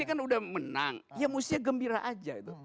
ini kan udah menang ya mustinya gembira aja itu